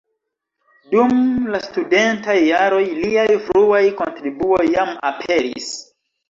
Dum la studentaj jaroj liaj fruaj kontribuoj jam aperis.